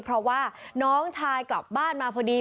เพราะว่าน้องชายกลับบ้านมาพอดี